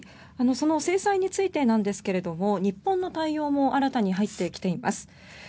その制裁についてなんですが日本の対応も新たに入ってきています。